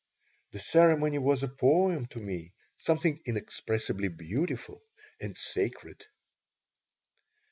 The ceremony was a poem to me, something inexpressibly beautiful and sacred.